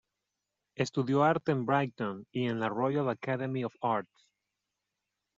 Estudió arte en Brighton y en la Royal Academy of Arts.